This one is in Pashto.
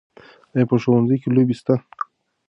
آیا په ښوونځي کې لوبې سته؟